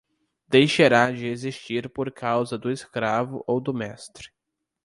Deixará de existir por causa do escravo ou do mestre.